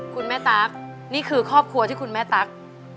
คุณแม่ตั๊กนี่คือครอบครัวที่คุณแม่ตั๊ก